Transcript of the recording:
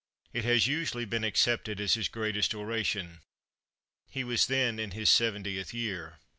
It has usually been accepted as his greatest oration. He was then in his seventieth year.